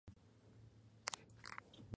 En el interior, la bóveda es de cañón.